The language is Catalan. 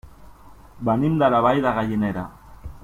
Venim de la Vall de Gallinera.